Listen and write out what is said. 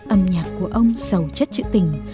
âm nhạc của ông sầu chất trữ tình